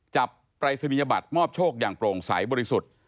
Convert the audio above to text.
ปรายศนียบัตรมอบโชคอย่างโปร่งใสบริสุทธิ์